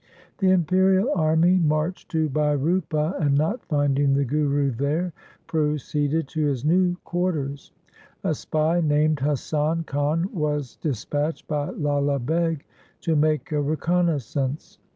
The imperial army marched to Bhai Rupa and not finding the Guru there proceeded to his new quarters. A spy named Hasan Khan was dis patched by Lala Beg to make a reconnaissance.